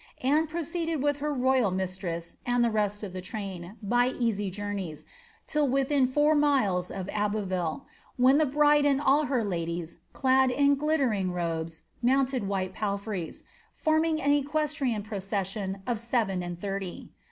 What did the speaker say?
Anne proceeded with her i mistress, and the rest of the train, by easy journeys, till within miles of Abbeville, when the bride and all her ladies, clad in glitt robes, mounted white palfreys, forming an equestrian procession of « and thirty.